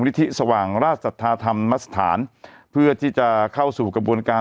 นิธิสว่างราชสัทธาธรรมสถานเพื่อที่จะเข้าสู่กระบวนการ